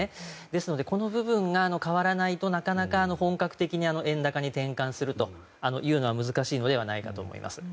ですのでこの部分が変わらないとなかなか本格的に円高に転換するというのは難しいのではないかと思います。